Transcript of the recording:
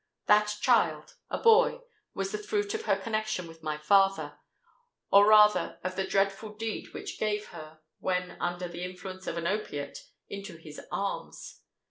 That child—a boy—was the fruit of her connexion with my father,—or rather of the dreadful deed which gave her, when under the influence of an opiate, into his arms.